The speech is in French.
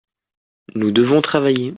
Nous devons travailler.